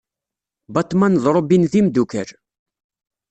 Batman d Robin d imeddukal.